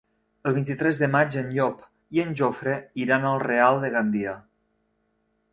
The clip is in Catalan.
El vint-i-tres de maig en Llop i en Jofre iran al Real de Gandia.